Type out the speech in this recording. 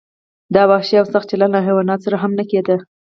دا وحشي او سخت چلند له حیواناتو سره هم نه کیده.